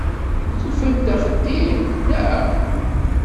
Tufam-d axeddim, naɣ?